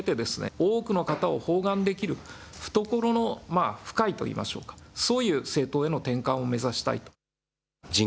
政策の幅を広げて多くの方を包含できる懐の深いといいましょうか、そういう政党への転換を目指したい。